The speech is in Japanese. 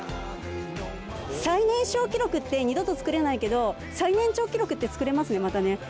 最年少記録って二度と作れないけど、最年長記録って作れますよね、またね。